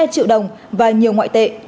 một mươi hai triệu đồng và nhiều ngoại tệ